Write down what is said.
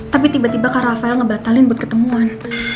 tapi tiba tiba kak rafael ngebatalin buat ketemuan